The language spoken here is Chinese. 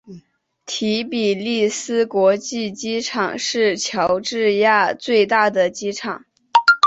提比利斯国际机场是乔治亚最大的机场。